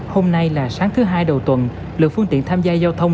hôm nay là sáng thứ hai đầu tuần lượng phương tiện tham gia giao thông